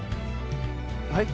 はい？